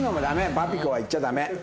パピコは行っちゃダメ。